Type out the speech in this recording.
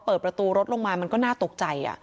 เปิดประตูรถลงมามันก็น่าตกใจ